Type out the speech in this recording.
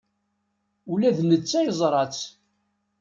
Ula d netta yeẓra-tt.